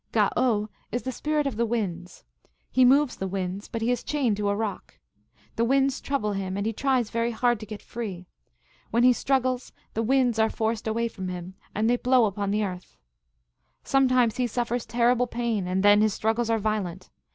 "Ga oh is the Spirit of the Winds. He moves the winds, but he is chained to a rock. The winds trouble him, and he tries very hard to get free. When he struggles the winds are forced away from him, and they blow upon the earth. Sometimes he suffers terrible pain, and then his struggles are violent.